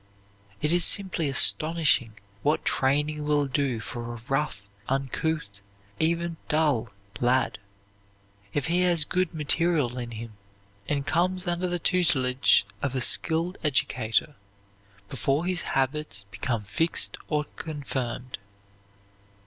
It is simply astonishing what training will do for a rough, uncouth, and even dull lad, if he has good material in him, and comes under the tutelage of a skilled educator before his habits become fixed or confirmed.